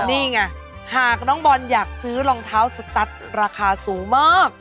นี่ไงหากน้องบอลอยากซื้อรองเท้าสตัสราคาสูงมาก